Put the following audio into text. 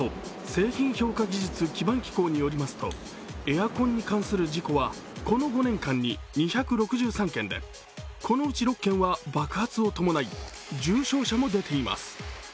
ＮＩＴＥ＝製品評価技術基盤機構によりますとエアコンに関する事故は、この５年間に２６３件でこのうち６件は爆発を伴い、重傷者も出ています。